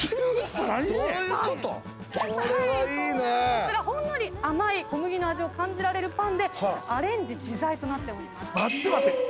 こちらほんのり甘い小麦の味を感じられるパンでアレンジ自在となっております。